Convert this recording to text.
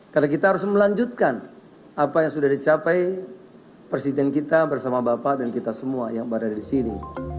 karena kita harus melanjutkan apa yang sudah dicapai presiden kita bersama bapak dan kita semua yang berada di sini